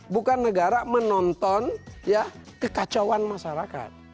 bukan negara menonton kekacauan masyarakat